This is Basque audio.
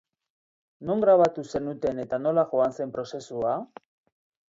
Non grabatu zenuten eta nola joan zen prozesua?